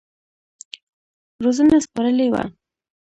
روزنه سپارلې وه.